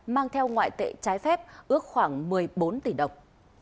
mang theo ngoại tệ trái phép ước khoảng một mươi bốn tỷ đồng